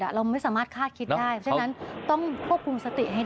เราไม่สามารถคาดคิดได้เพราะฉะนั้นต้องควบคุมสติให้